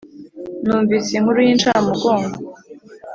numvise inkuru y'incamugongo